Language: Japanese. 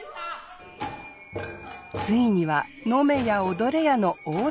ついには飲めや踊れやの大騒ぎ。